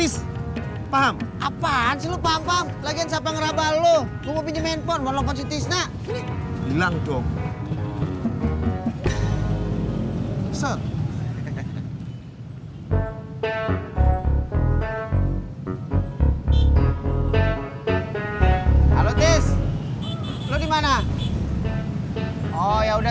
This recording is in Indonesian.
sampai jumpa di video selanjutnya